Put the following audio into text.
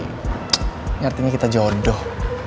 ini artinya kita jodoh